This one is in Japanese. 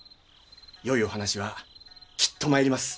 よいお話はきっと参ります。